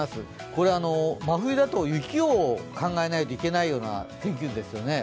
これ、真冬だと雪を考えないといけないような天気図ですよね。